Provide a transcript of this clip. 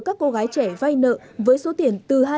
các cô gái trẻ vay nợ với số tiền tương lai